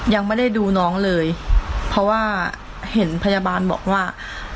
ยังไม่ได้ดูน้องเลยเพราะว่าเห็นพยาบาลบอกว่า